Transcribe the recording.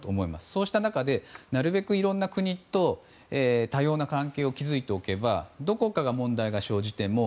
そうした中で、なるべくいろんな国と多様な関係を築いておけばどこかが問題が生じても